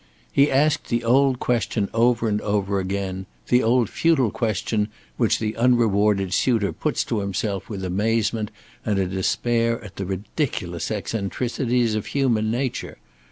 He asked the old question over and over again, the old futile question which the unrewarded suitor puts to himself with amazement and a despair at the ridiculous eccentricities of human nature.